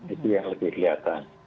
itu yang lebih kelihatan